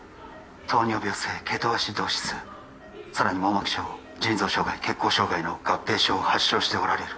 糖尿病性ケトアシドーシスさらに網膜症腎臓障害血行障害の合併症を発症しておられる